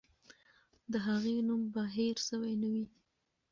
د هغې نوم به هېر سوی نه وي.